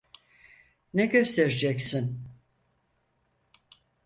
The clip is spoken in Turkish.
Ne göstereceksin?